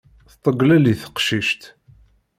Teṭṭeglelli teqcict.